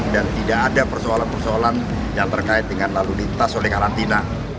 dan tidak ada persoalan persoalan yang terkait dengan keterangan